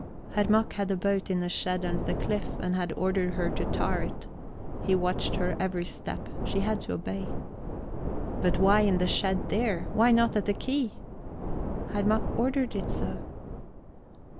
Herr Mack had a boat in a shed under the cliff, and had ordered her to tar it. He watched her every step she had to obey. "But why in the shed there? Why not at the quay?" "Herr Mack ordered it so..